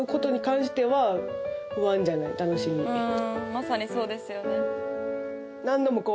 まさにそうですよね